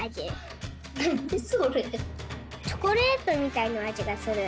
チョコレートみたいなあじがする。